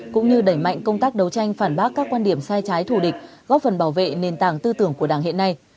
cũng như đẩy mạnh công tác đấu tranh phản bác các quan điểm sai trái thủ địch góp phần bảo vệ nền tảng tư tưởng của đảng hiện nay